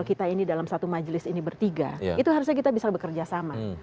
kita ini dalam satu majelis ini bertiga itu harusnya kita bisa bekerja sama